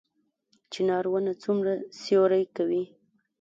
چنار ونه څومره سیوری کوي؟